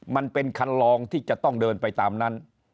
มันเป็นคันลองที่จะต้องเดินไปตามนั้น